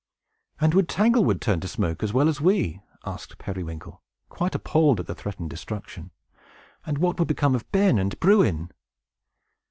"And would Tanglewood turn to smoke, as well as we?" asked Periwinkle, quite appalled at the threatened destruction. "And what would become of Ben and Bruin?"